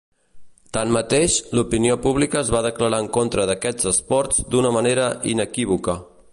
Tanmateix, l'opinió pública es va declarar en contra d'aquests esports d'una manera inequívoca.